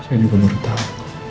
saya juga baru tahu